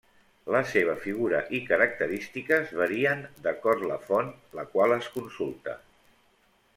La seva figura i característiques varien d'acord la font la qual es consulta.